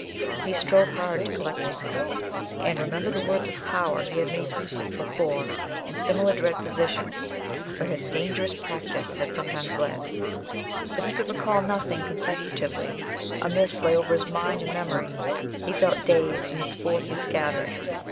He strove hard to collect himself and remember the words of power he had made use of before in similar dread positions where his dangerous practice had sometimes led; but he could recall nothing consecutively; a mist lay over his mind and memory; he felt dazed and his forces scattered.